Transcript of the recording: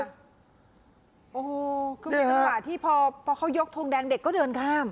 โอ้โหคือมีจังหวะที่พอเขายกทงแดงเด็กก็เดินข้าม